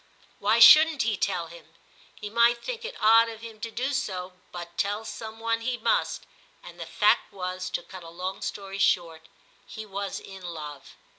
' Why shouldn't he tell him ? He might think it odd of him to do so, but tell some one he must, and the fact was, to cut a long story short, he was in love.